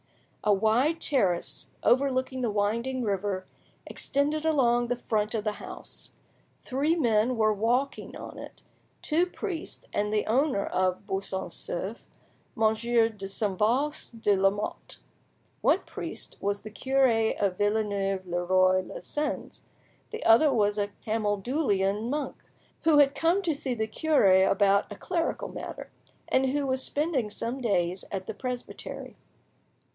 A wide terrace, overlooking the winding river, extended along the front of the house. Three men were walking on it two priests, and the owner of Buisson Souef, Monsieur de Saint Faust de Lamotte. One priest was the cure of Villeneuve le Roi lez Sens, the other was a Camaldulian monk, who had come to see the cure about a clerical matter, and who was spending some days at the presbytery.